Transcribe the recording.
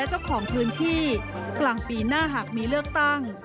เจ้าของพื้นที่กลางปีหน้าหากมีเลือกตั้ง